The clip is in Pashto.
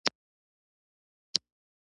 مچان د سړي اعصاب خرابوي